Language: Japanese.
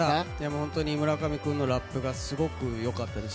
本当に村上君のラップがすごくよかったです。